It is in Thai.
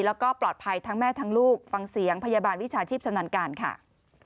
แล้วก็ปลอดภัยทั้งแม่ทั้งลูกฟังเสียงพยาบาลวิชาชีพชำนาญการค่ะ